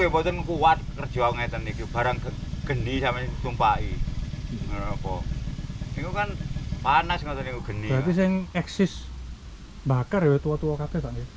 berarti yang eksis bakar ya tua tua kakek